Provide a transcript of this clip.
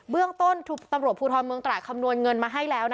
เรื่องต้นตำรวจภูทรเมืองตราดคำนวณเงินมาให้แล้ว